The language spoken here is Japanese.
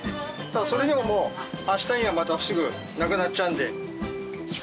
それでももう明日にはまたすぐなくなっちゃうんで。